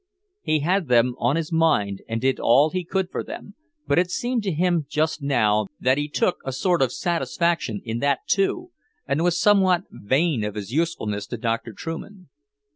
He had them on his mind and did all he could for them, but it seemed to him just now that he took a sort of satisfaction in that, too, and was somewhat vain of his usefulness to Doctor Trueman.